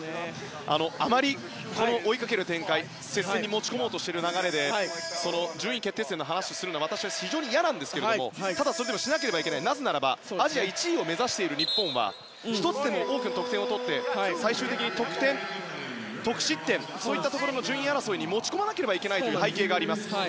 あまり追いかける展開、接戦に持ち込もうとしている流れで順位決定戦の話をするのは私は非常に嫌なんですけどただそれでもしなければいけないアジア１位を目指している日本は１つでも多くの得点を取って最終的に得失点というところの順位争いに持ち込まなければいけないという背景があります。